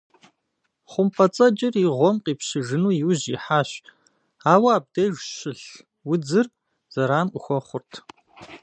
ХъумпӀэцӀэджыр и гъуэм къипщыжыну иужь ихьащ, ауэ абдеж щылъ удзыр зэран къыхуэхъурт.